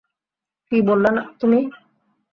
কি বললা তুমি?